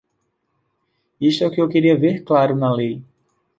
Isto é o que eu queria ver claro na lei.